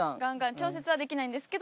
調節はできないんですけど、